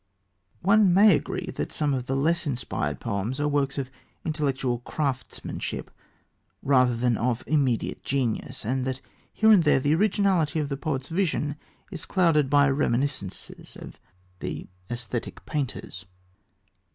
One may agree that some of the less inspired poems are works of intellectual craftsmanship rather than of immediate genius, and that here and there the originality of the poet's vision is clouded by reminiscences of the aesthetic painters.